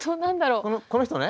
この人ね？